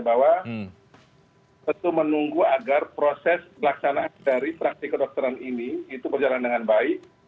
bahwa tentu menunggu agar proses pelaksanaan dari praktik kedokteran ini itu berjalan dengan baik